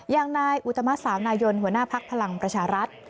อย่างในอุตมาสสาวนายนหัวหน้าภักดิ์พลังประชารัฐ